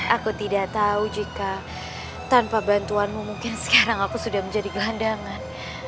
aku tidak tahu jika tanpa bantuanmu mungkin sekarang aku sudah menjadi gelandangan